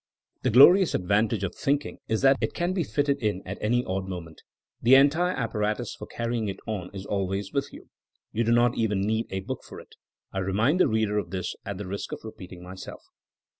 The glorious advantage of thinking is that it can be fitted in at any odd mo ment. The entire apparatus for carrying it on is always with you. You do not even need a book for it. I remind the reader of this at the risk of repeating myself.